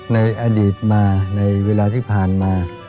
ในอดีตมาในเวลาที่ผ่านมา